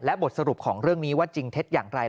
บทสรุปของเรื่องนี้ว่าจริงเท็จอย่างไร